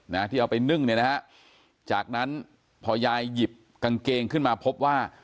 นะที่เอาไปนึ่งเนี่ยนะฮะจากนั้นพอยายหยิบกางเกงขึ้นมาพบว่า